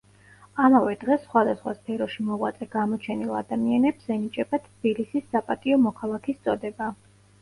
ამავე დღეს სხვადასხვა სფეროში მოღვაწე გამოჩენილ ადამიანებს ენიჭებათ თბილისის საპატიო მოქალაქის წოდება.